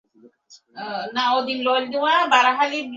তাহার আঙুল চলিল না–ফুল পড়িয়া রহিল।